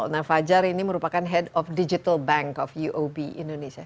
nah fajar ini merupakan head of digital bank of uob indonesia